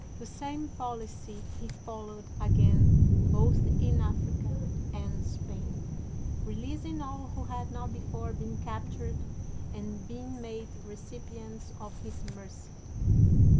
The same policy he fol lowed again both in Africa and Spain, releasing all who had not before been captured and been made recipients of his mercy.